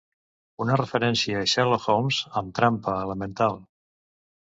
Una referència a Sherlock Holmes amb trampa “elemental”.